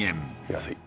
安い！